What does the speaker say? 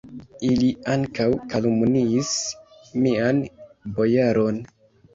Ili ankaŭ kalumniis mian bojaron!